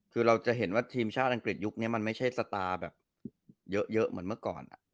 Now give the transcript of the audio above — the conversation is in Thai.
คือเราจะเห็นว่าทีมชาติอังกฤษยุคนี้มันไม่ใช่สตาร์แบบเยอะเหมือนเมื่อก่อน